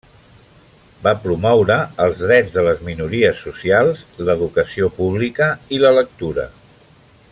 Va promoure els drets de les minories socials, l'educació pública i la lectura.